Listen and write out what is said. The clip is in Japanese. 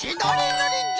ぬりじゃ！